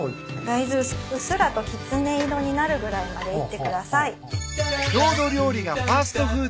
ダイズうっすらときつね色になるぐらいまでいってください。